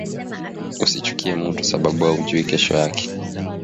Usi chukie mutu sababu aujuwi kesho yake